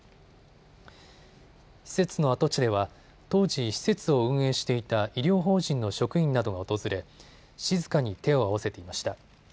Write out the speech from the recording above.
施設の跡地では当時、施設を運営していた医療法人の職員などが訪れ、静かに手を合わせていました。